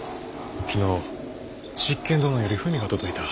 昨日執権殿より文が届いた。